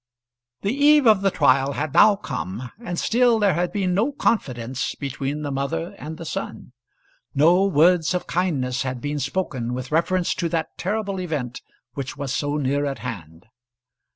The eve of the trial had now come, and still there had been no confidence between the mother and the son. No words of kindness had been spoken with reference to that terrible event which was so near at hand.